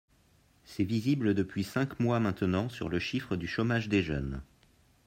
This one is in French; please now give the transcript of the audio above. C’est visible depuis cinq mois maintenant sur le chiffre du chômage des jeunes.